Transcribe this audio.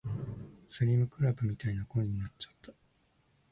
スリムクラブみたいな声になっちゃった